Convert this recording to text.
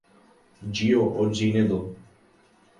جیو اور جینے دو